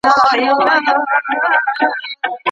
ارام ذهن د نارام ذهن په نسبت ښې پایلي ورکوي.